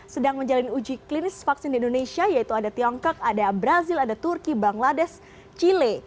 sedang menjalani uji klinis vaksin di indonesia yaitu ada tiongkok ada brazil ada turki bangladesh chile